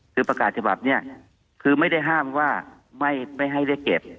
คือประกาศฉบับนี้คือไม่ได้ห้ามว่าไม่ให้เรียกเก็บ